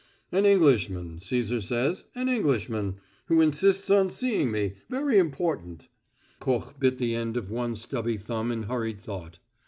"An Englishman, Cæsar says an Englishman, who insists on seeing me very important." Koch bit the end of one stubby thumb in hurried thought.